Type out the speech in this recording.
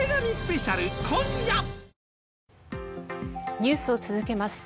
ニュースを続けます。